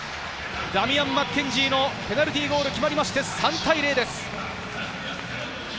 ダミアン・マッケンジーのペナルティーゴールが決まって３対０です。